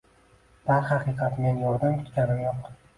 Darhaqiqat men yordam kutganim yo’q.